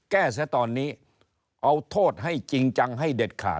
แก้เสียตอนนี้